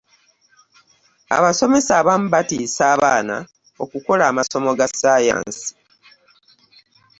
Abasomesa abamu batiisa abaana okukola amasomo ga sayansi.